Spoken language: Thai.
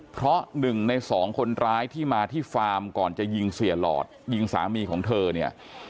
เพราะหนึ่งในสองคนร้ายที่มาที่ฟาร์มก่อนจะยิงเสียหลอดยิงสามีของเธอเนี่ย